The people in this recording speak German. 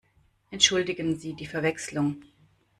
Entschuldigen Sie die Verwechslung!